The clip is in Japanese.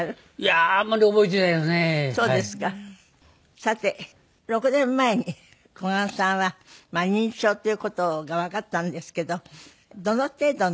さて６年前に小雁さんは認知症っていう事がわかったんですけどどの程度の？